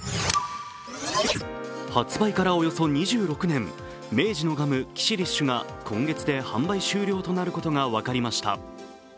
発売からおよそ２６年、明治のガム、キシリッシュが今月で販売終了となることが分かりました。